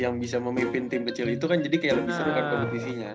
yang bisa memimpin tim kecil itu kan jadi kayak lebih seru kan kompetisinya